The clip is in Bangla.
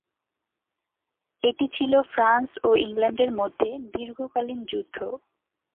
এটি ছিল ফ্রান্স ও ইংল্যান্ডের মধ্যে দীর্ঘকালীন যুদ্ধ।